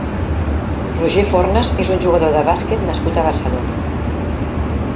Roger Fornas és un jugador de bàsquet nascut a Barcelona.